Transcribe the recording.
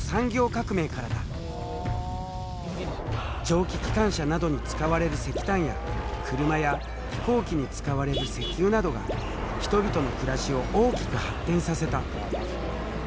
蒸気機関車などに使われる石炭や車や飛行機に使われる石油などが人々の暮らしを大きく発展させた。